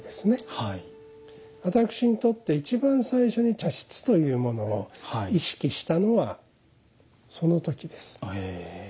私にとって一番最初に茶室というものを意識したのはその時です。